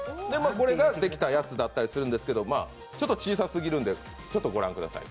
これができたやつだったりするんですけど、小さすぎるので、ご覧ください。